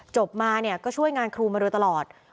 จบมาเนี่ยก็ช่วยงานครูมาโดยตลอด